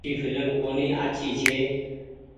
اي ڦلم ڪونيٚ آڇي ڇي۔